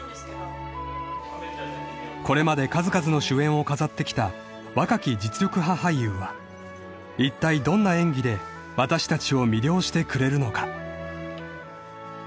［これまで数々の主演を飾ってきた若き実力派俳優はいったいどんな演技で私たちを魅了してくれるのか？］